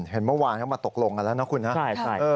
เห็นเมื่อวานเข้ามาตกลงกันแล้วนะคุณนะ